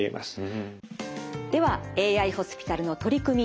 ではＡＩホスピタルの取り組み